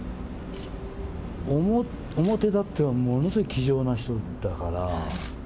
表立ってはものすごい気丈な人だったから。